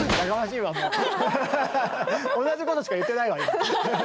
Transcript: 同じことしか言ってないわ今。